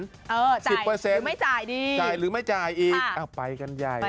๑๐จ่ายหรือไม่จ่ายดีไปกันใหญ่นะครับจ่ายหรือไม่จ่ายไปกันใหญ่